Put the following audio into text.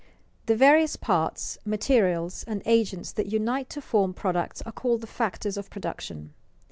_The various parts, materials, and agents that unite to form products are called the factors of production.